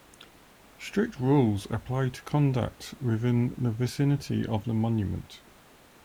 Strict rules apply to conduct within the vicinity of the monument.